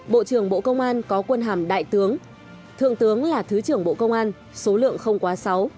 bộ trưởng bộ công an có quân hàm đại tướng thượng tướng là thứ trưởng bộ công an số lượng không quá sáu